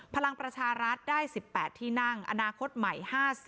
พลังประชารัฐได้๑๘ที่นั่งอนาคตใหม่๕๐